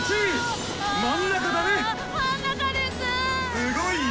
すごいよ！